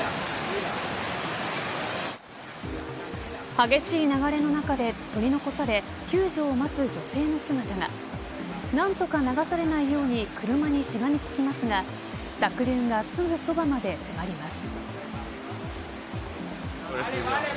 激しい流れの中で取り残され救助を待つ女性の姿が何とか流されないように車にしがみつきますが濁流がすぐそばまで迫ります。